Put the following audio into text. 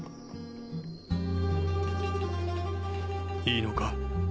いいのか？